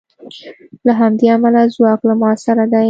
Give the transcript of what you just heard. له همدې امله ځواک له ما سره دی